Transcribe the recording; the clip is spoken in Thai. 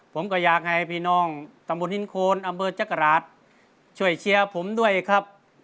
ผมก็อยากให้พี่น้องตำบลหินโคนอำเภอจักราชช่วยเชียร์ผมด้วยครับ